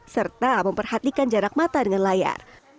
serta memperhatikan jarak mata dengan layar